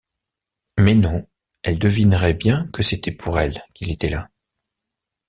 Mais non, elle devinerait bien que c’était pour elle qu’il était là.